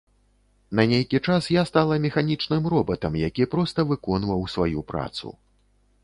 На нейкі час я стала механічным робатам, які проста выконваў сваю працу.